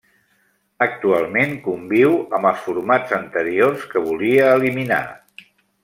Actualment conviu amb els formats anteriors que volia eliminar.